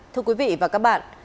thưa quý vị và các bạn